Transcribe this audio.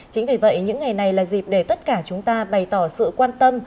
chính vì vậy những ngày này là dịp để tất cả chúng ta bày tỏ sự quan tâm